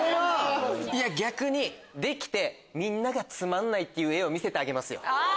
逆にできてみんなが「つまんない」って言う画を見せてあげますよ。